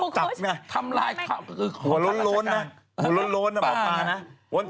จับนะทำลายหัวโล้นนะหมอป้านะ